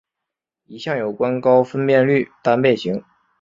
一项有关高分辨率单倍型。